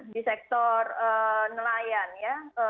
di sektor nelayan ya